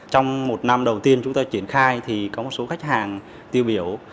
trong một năm đầu tiên chúng tôi triển khai thì có một số khách hàng tiêu biểu